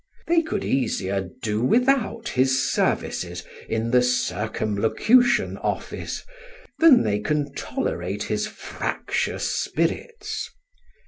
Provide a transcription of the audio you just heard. They could easier do without his services in the Circumlocution Office, than they can tolerate his fractious spirits.